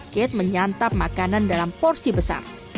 kate menyantap makanan dalam porsi besar